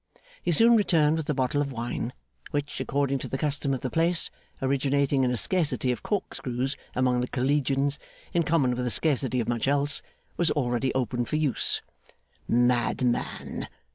He soon returned with the bottle of wine: which, according to the custom of the place, originating in a scarcity of corkscrews among the Collegians (in common with a scarcity of much else), was already opened for use. 'Madman!